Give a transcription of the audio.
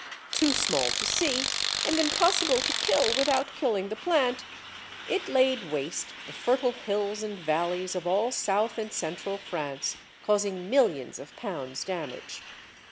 Too small to see, and impossible to kill without killing the plant, it laid waste the fertile hills and valleys of all South and Central France, causing millions of pounds damage.